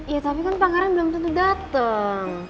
ya tapi kan pak karan belum tentu dateng